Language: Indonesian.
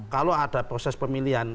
kalau ada proses pemilihan